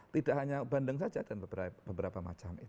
tidak hanya bandeng saja dan beberapa macam